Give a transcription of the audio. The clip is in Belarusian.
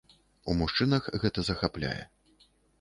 У мужчынах гэта захапляе.